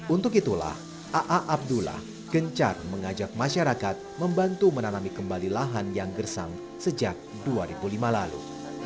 untuk itulah aa abdullah gencar mengajak masyarakat membantu menanami kembali lahan yang gersang sejak dua ribu lima lalu